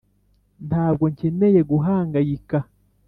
ntabwo nkeneye guhangayika.